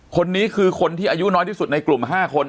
คนนี้คือคนที่อายุน้อยที่สุดในกลุ่ม๕คน